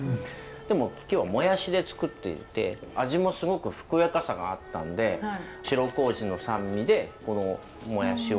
でも今日はもやしで作っていて味もすごくふくよかさがあったんで白麹の酸味でこのもやしをおいしくしようというか。